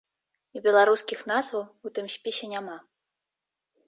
І беларускіх назваў у тым спісе няма.